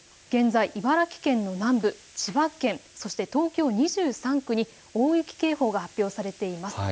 現在、茨城県の南部、千葉県、そして東京２３区に大雪警報が発表されています。